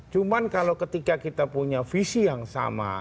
cuma kalau ketika kita punya visi yang sama